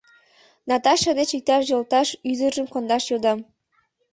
Наташа деч иктаж йолташ ӱдыржым кондаш йодам.